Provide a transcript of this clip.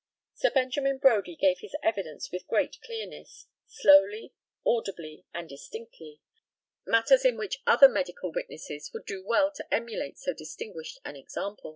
[Sir Benjamin Brodie gave his evidence with great clearness slowly, audibly, and distinctly, matters in which other medical witnesses would do well to emulate so distinguished an example.